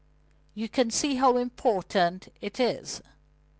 You can see how important it is.